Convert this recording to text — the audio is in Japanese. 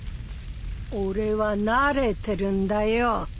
俺は慣れてるんだよ。